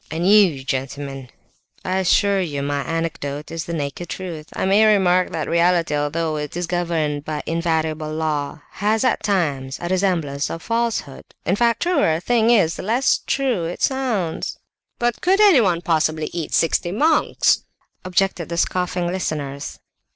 And you, gentlemen, I assure you my anecdote is the naked truth. I may remark that reality, although it is governed by invariable law, has at times a resemblance to falsehood. In fact, the truer a thing is the less true it sounds." "But could anyone possibly eat sixty monks?" objected the scoffing listeners.